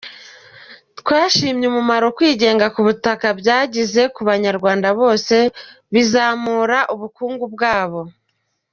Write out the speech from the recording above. Twashimye umumaro kwigenga ku butaka byagize ku banyarwanda bose, bizamura ubukungu bwabo.